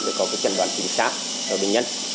để có trận đoạn chính xác